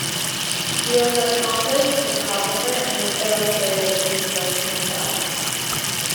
He was an accomplished photographer and illustrated these books himself.